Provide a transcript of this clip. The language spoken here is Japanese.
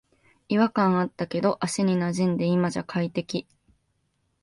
違和感あったけど足になじんで今じゃ快適